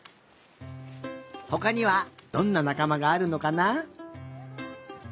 ほかにはどんななかまがあるのかな？